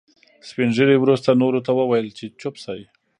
سپين ږيري وروسته نورو ته وويل چې چوپ شئ.